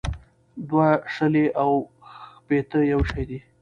دوه شلې او ښپيته يو شٸ دى